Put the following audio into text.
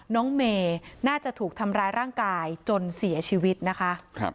น้องเมย์น่าจะถูกทำร้ายร่างกายจนเสียชีวิตนะคะ